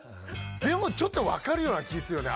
でも、ちょっと分かるような気するよね。